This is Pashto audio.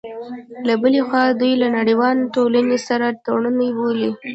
له بلې خوا، دوی له نړیوالې ټولنې سره تړوني بولي